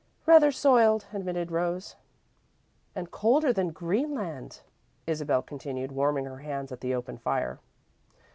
"Rather soiled," admitted Rose. "And colder than Greenland," Isabel continued, warming her hands at the open fire.